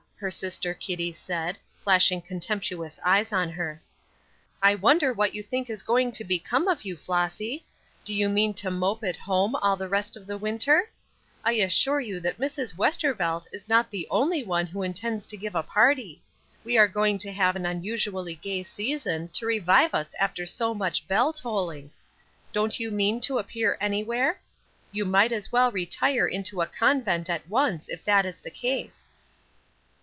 her sister Kitty said, flashing contemptuous eyes on her. "I wonder what you think is going to become of you, Flossy? Do you mean to mope at home all the rest of the winter? I assure you that Mrs. Westervelt is not the only one who intends to give a party. We are going to have an unusually gay season to revive us after so much bell tolling. Don't you mean to appear anywhere? You might as well retire into a convent at once, if that is the case."